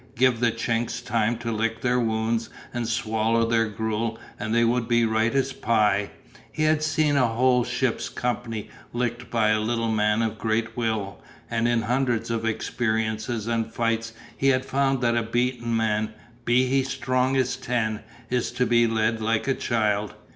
Give the "Chinks" time to lick their wounds and swallow their gruel and they would be right as pie. He had seen a whole ship's company licked by a little man of great will, and in hundreds of experiences and fights he had found that a beaten man, be he strong as ten, is to be led like a child.